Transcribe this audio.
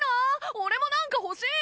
俺もなんか欲しい！